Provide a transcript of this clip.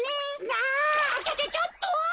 あちょちょちょっと。